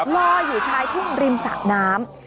ลอยอยู่ชายทุ่งริมสะน้ำ